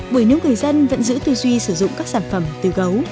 bởi nếu người dân vẫn giữ tư duy sử dụng các sản phẩm từ gấu